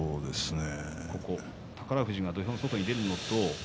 宝富士が土俵の外に出るのと。